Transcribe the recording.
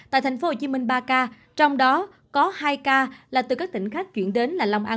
tại tp hcm ba ca trong đó có hai ca là từ các tỉnh khác chuyển đến